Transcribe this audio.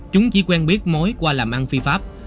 chúng chỉ quen biết mối qua làm ăn phi pháp